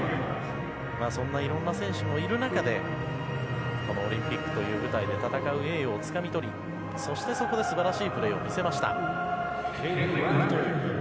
そんないろんな選手もいる中でこのオリンピックという舞台で戦う栄誉をつかみ取り、そこで素晴らしいプレーを見せました。